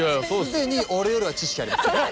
既に俺よりは知識あります。